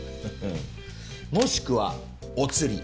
もしくはお釣り。